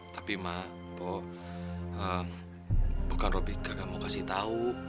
tapi mak pak bukan robi gak mau kasih tau